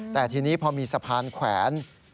แต่ทีนี้พอมีสะพานแขวน